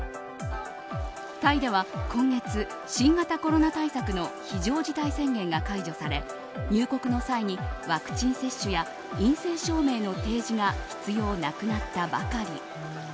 タイでは今月、新型コロナ対策の非常事態宣言が解除され入国の際にワクチン接種や陰性証明の提示が必要なくなったばかり。